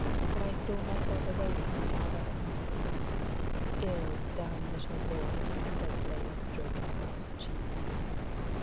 So I stole myself away from father and mother." "Ill done, little lord!" said Blaise, stroking Ralph's cheek.